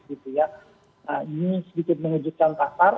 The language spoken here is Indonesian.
ini sedikit mengejutkan